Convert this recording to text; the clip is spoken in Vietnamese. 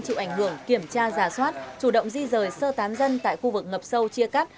chịu ảnh hưởng kiểm tra giả soát chủ động di rời sơ tán dân tại khu vực ngập sâu chia cắt